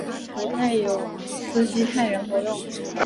古代有斯基泰人活动。